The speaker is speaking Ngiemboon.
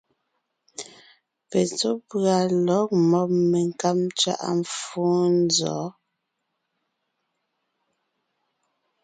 Petsɔ́ pʉ̀a lɔ̂g mɔ́b menkáb ntswaʼá fóo nzɔ̌?